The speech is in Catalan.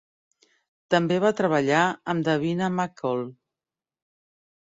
També va treballar amb Davina McCall.